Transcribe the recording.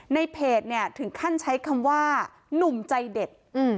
ในเพจเนี่ยถึงขั้นใช้คำว่าหนุ่มใจเด็ด